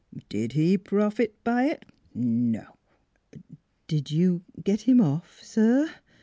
... Did he profit by it? No! " "Did you get him off, sir?"